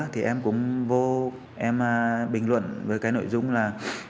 thì em cũng vô em bình luận với cái nội dung là